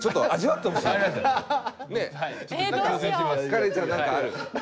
カレンちゃん何かある？